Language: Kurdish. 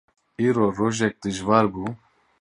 Îro rojek dijwar bû.